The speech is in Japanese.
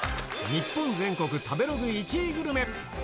日本全国食べログ１位グルメ。